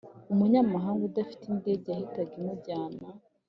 umunyamahanga udafite indege yahita imujyana